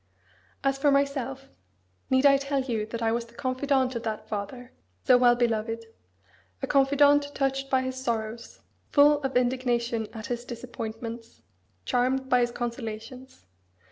As for myself need I tell you that I was the confidant of that father, so well beloved: a confidant touched by his sorrows, full of indignation at his disappointments, charmed by his consolations.